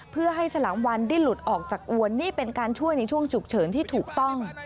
เพื่อให้ฉลามวันได้หลุดออกจากอวนนี่เป็นการช่วยในช่วงฉุกเฉินที่ถูกต้อง